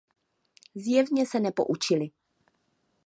Zjevně se nepoučili.